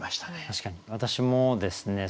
確かに私もですね